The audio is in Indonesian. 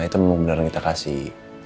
itu memang beneran kita kasih